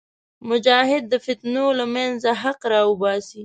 مجاهد د فتنو له منځه حق راوباسي.